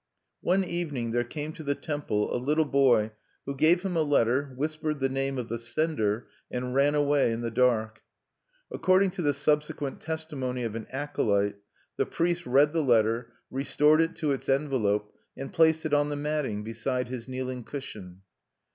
One evening there came to the temple a little boy who gave him a letter, whispered the name of the sender, and ran away in the dark. According to the subsequent testimony of an acolyte, the priest read the letter, restored it to its envelope, and placed it on the matting, beside his kneeling cushion.